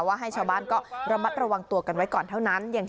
ให้ชาวบ้านก็ระมัดระวังตัวกันไว้ก่อนเท่านั้น